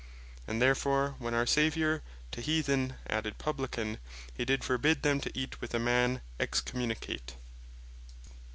And therefore, when our Saviour, to Heathen, added Publican, he did forbid them to eat with a man Excommunicate.